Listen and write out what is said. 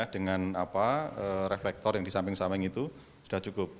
dengan reflektor yang di samping samping itu sudah cukup